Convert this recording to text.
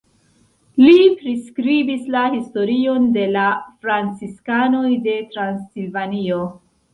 Li priskribis la historion de la franciskanoj de Transilvanio.